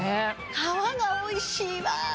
皮がおいしいわ！